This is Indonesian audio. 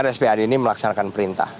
rspad ini melaksanakan perintah